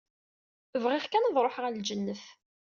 Bɣiɣ kan ad ṛuḥeɣ ɣer lǧennet.